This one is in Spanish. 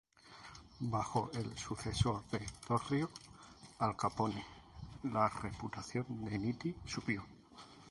Bajo el sucesor de Torrio, Al Capone, la reputación de Nitti subió.